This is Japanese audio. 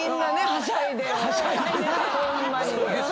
はしゃいでな！